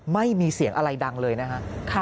ไม่มีเสียงอะไรดังเลยนะฮะ